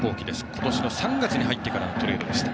今年の３月に入ってからのトレードでした。